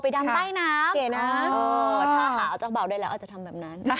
ไปดำใต้น้ำเก่งนะเออถ้าหาเอาจักรเบาด้วยแล้วอาจจะทำแบบนั้น